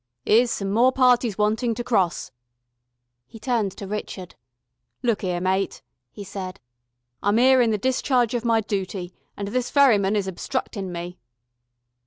"'Ere's some more parties wanting to cross." He turned to Richard. "Look 'ere, mate," he said. "I'm 'ere in the discharge of my dooty, and this ferryman is obstructin' me."